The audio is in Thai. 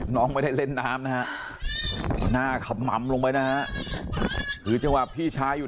ไม่ได้เล่นน้ำนะฮะหน้าขม่ำลงไปนะฮะคือจังหวะพี่ชายอยู่